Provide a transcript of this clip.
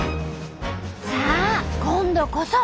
さあ今度こそ！